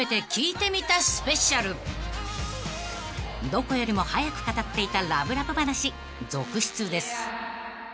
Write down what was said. ［どこよりも早く語っていたラブラブ話続出です］